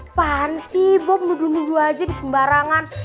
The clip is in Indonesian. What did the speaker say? apaan sih ibok mulu mulu aja di sembarangan